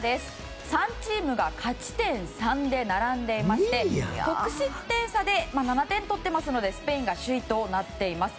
３チームが勝ち点３で並んでいまして得失点差で７点取っていますのでスペインが首位となっています。